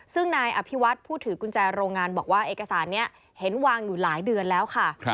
ซึ่งนายอภิวัฒน์ผู้ถือกุญแจโรงงานบอกว่าเอกสารนี้เห็นวางอยู่หลายเดือนแล้วค่ะ